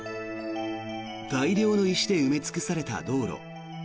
大量の石で埋め尽くされた道路。